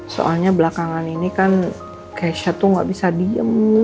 soalnya belakangan ini kan keisha tuh gak bisa diem